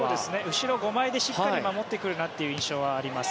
後ろ５枚でしっかり守ってくるなという印象はあります。